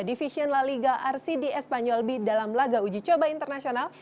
division la liga rcd espanyol b dalam laga uji coba internasional